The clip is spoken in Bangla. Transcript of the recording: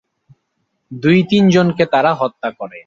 দুই-তিনজনকে তারা হত্যা করে।